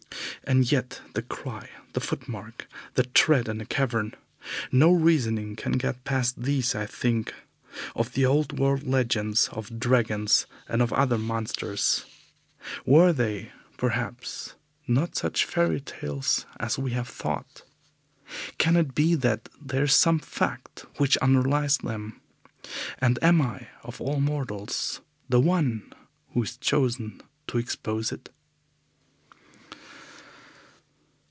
And yet the cry, the footmark, the tread in the cavern no reasoning can get past these I think of the old world legends of dragons and of other monsters. Were they, perhaps, not such fairy tales as we have thought? Can it be that there is some fact which underlies them, and am I, of all mortals, the one who is chosen to expose it?